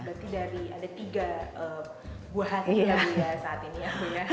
berarti dari ada tiga buah hati ya bu ya saat ini ya bu ya